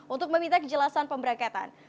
untuk meminta kejelasan pemberangkatan